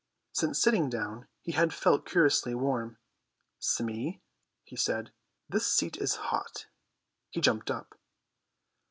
Since sitting down he had felt curiously warm. "Smee," he said, "this seat is hot." He jumped up.